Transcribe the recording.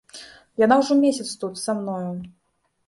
Яна ўжо месяц тут, са мною.